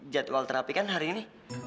jadwal terapi kan hari ini